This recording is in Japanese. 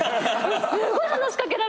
すごい話し掛けられちゃう。